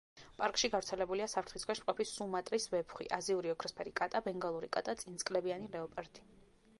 პარკში გავრცელებულია საფრთხის ქვეშ მყოფი სუმატრის ვეფხვი, აზიური ოქროსფერი კატა, ბენგალური კატა, წინწკლებიანი ლეოპარდი.